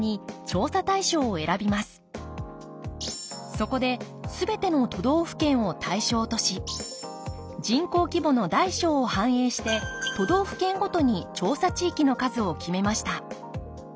そこで全ての都道府県を対象とし人口規模の大小を反映して都道府県ごとに調査地域の数を決めました。